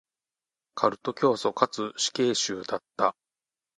カルト教祖かつ死刑囚だった。